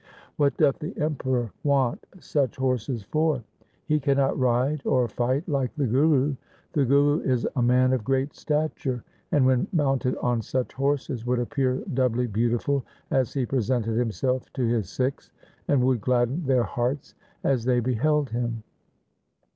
What doth the Emperor want such horses for ? He cannot ride or fight like the Guru. The Guru is a man of great stature, and when mounted on such horses would appear doubly beautiful as he presented himself to his Sikhs, and would gladden their hearts as they beheld him.'